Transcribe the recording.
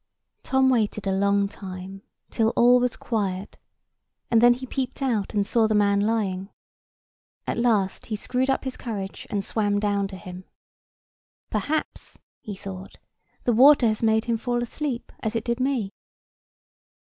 Tom waited a long time, till all was quiet; and then he peeped out, and saw the man lying. At last he screwed up his courage and swam down to him. "Perhaps," he thought, "the water has made him fall asleep, as it did me."